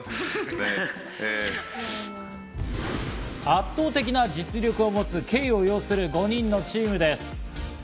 圧倒的な実力を持つＫを擁する５人のチームです。